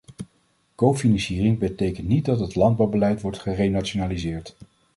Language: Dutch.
Cofinanciering betekent niet dat het landbouwbeleid wordt gerenationaliseerd.